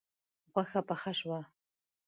غوښه پخه شوه